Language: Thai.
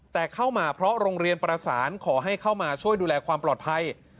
แต่เข้ามาเพราะโรงเรียนประสานขอให้เข้ามาช่วยดูแลความปลอดภัย